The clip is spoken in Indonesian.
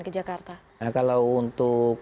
ke jakarta kalau untuk